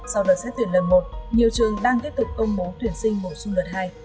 sau đợt xét tuyển lần một nhiều trường đang tiếp tục công bố tuyển sinh bổ sung đợt hai